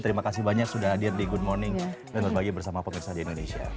terima kasih banyak sudah hadir di good morning dan berbagi bersama pemirsa di indonesia